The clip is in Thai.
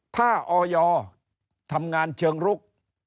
ถ้าออยทำงานเชิงลุก